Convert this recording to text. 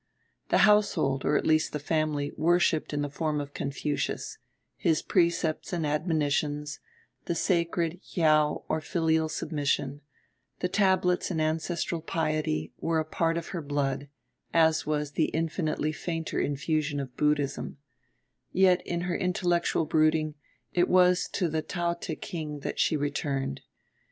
The household, or at least the family, worshipped in the form of Confucius; his precepts and admonitions, the sacred hiao or filial submission, the tablets and ancestral piety, were a part of her blood; as was the infinitely fainter infusion of Buddhism; yet in her intellectual brooding it was to the Tao teh king that she returned.